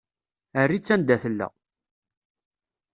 Err-itt anda tella.